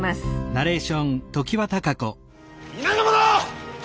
皆の者！